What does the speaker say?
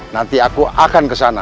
nanti aku akan kesana